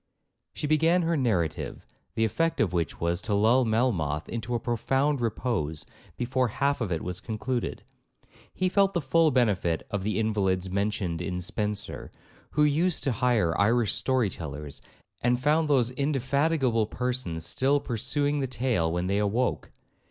She began her narrative, the effect of which was, to lull Melmoth into a profound repose before half of it was concluded; he felt the full benefit of the invalids mentioned in Spenser, who used to hire Irish story tellers, and found those indefatigable persons still pursuing the tale when they awoke.